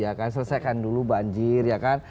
ya kan selesaikan dulu banjir ya kan